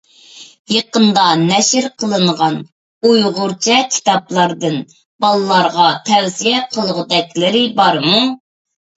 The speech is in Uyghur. يېقىندا نەشر قىلىنغان ئۇيغۇرچە كىتابلاردىن بالىلارغا تەۋسىيە قىلغۇدەكلىرى بارمۇ؟